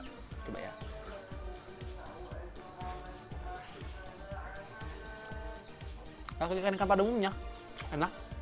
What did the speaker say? rasanya ikan ikan padamunya enak